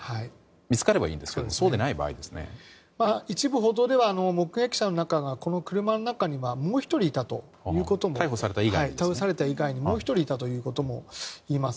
見つかればいいですが一部報道では目撃者の中には、この車の中には逮捕された以外にもう１人いたということもあります。